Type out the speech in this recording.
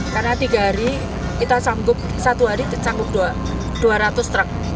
karena tiga hari kita sanggup satu hari sanggup rp dua ratus